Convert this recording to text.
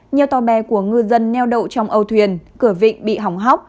nhiều tòa bè của người dân neo đậu trong âu thuyền cửa vịnh bị hỏng hóc